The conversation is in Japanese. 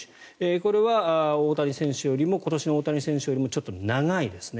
これは今年の大谷選手よりもちょっと長いですね。